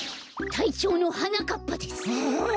たいちょうのはなかっぱです。